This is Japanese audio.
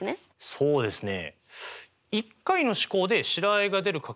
そうですね。